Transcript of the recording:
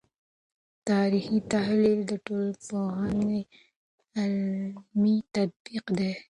تاریخي تحلیل د ټولنپوهنې علمي تطبیق دی.